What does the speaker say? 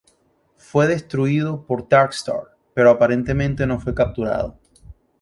Fue destruido por Darkstar, pero aparentemente no fue capturado.